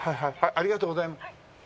ありがとうございます。